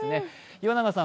岩永さん